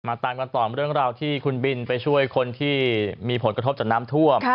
ตามกันต่อเรื่องราวที่คุณบินไปช่วยคนที่มีผลกระทบจากน้ำท่วม